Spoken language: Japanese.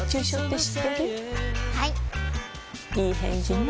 いい返事ね